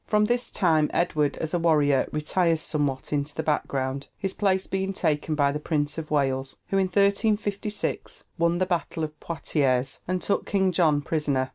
From this time Edward, as a warrior, retires somewhat into the background, his place being taken by the Prince of Wales, who in 1356 won the battle of Poitiers, and took King John prisoner.